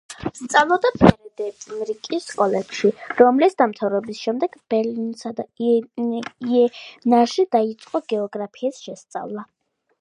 სწავლობდა ფრედერიკის კოლეჯში, რომლის დამთავრების შემდეგ ბერლინსა და იენაში დაიწყო გეოგრაფიის შესწავლა.